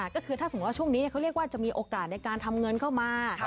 ก็คือถ้าสมมุติว่าช่วงนี้เขาเรียกว่าจะมีโอกาสในการทำเงินเข้ามา